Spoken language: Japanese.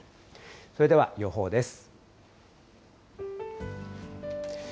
それでは予報です。